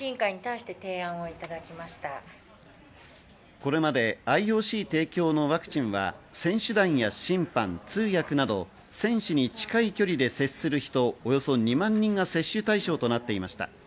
これまでＩＯＣ提供のワクチンは選手団や審判、通訳など選手に近い距離で接する人およそ２万人が接種対象となっていました。